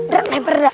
drak leper drak